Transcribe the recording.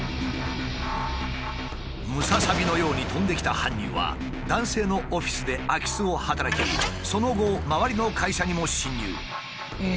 ムササビのように飛んできた犯人は男性のオフィスで空き巣を働きその後周りの会社にも侵入。